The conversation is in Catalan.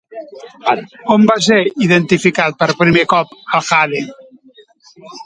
On va ser identificat per primer cop el jade?